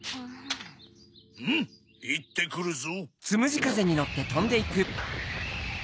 うむいってくるぞ。